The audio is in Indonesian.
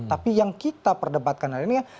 tapi yang kita perdebatkan hari ini ya